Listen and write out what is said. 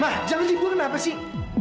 ma jangan dibuang kenapa sih